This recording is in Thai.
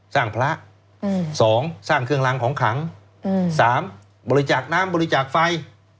สร้างพระ๒สร้างเครื่องรางของขัง๓บริจาคน้ำบริจาคไฟ